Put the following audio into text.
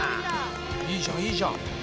いいじゃんいいじゃん。